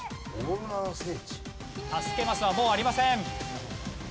助けマスはもうありません。